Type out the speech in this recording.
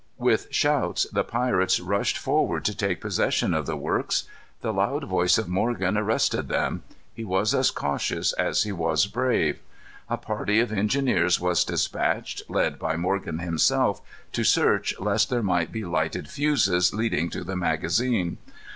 With shouts the pirates rushed forward to take possession of the works. The loud voice of Morgan arrested them. He was as cautious as he was brave. A party of engineers was dispatched, led by Morgan himself, to search lest there might be lighted fuses leading to the magazine.